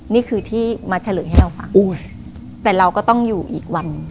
นี่คือที่มาเฉลยให้เราฟังแต่เราก็ต้องอยู่อีกวัน